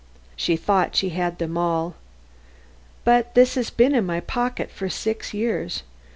She thought she had them all. But this has been in my pocket for six years.